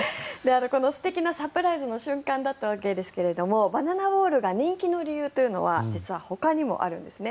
素敵なサプライズの瞬間だったわけですがバナナボールが人気の理由というのは実はほかにもあるんですね。